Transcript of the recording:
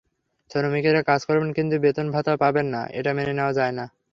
শ্রমিকেরা কাজ করবেন কিন্তু বেতন ভাতা পাবেন না—এটা মেনে নেওয়া যায় না।